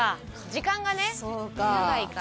時間がね長いから。